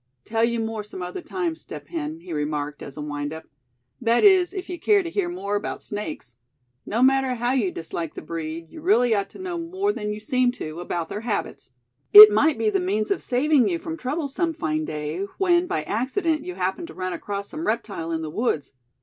"Tell you more some other time, Step Hen," he remarked as a wind up; "that is, if you care to hear more about snakes. No matter how you dislike the breed, you really ought to know more than you seem to, about their habits. It might be the means of saving you from trouble some fine day, when, by accident, you happen to run across some reptile in the woods.